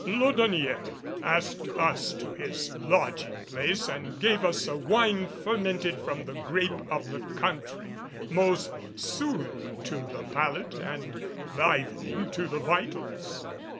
Laudonnière, asked us to his lodging place and gave us a wine fermented from the grape of the country, most soothing to the palate and livening to the vitals.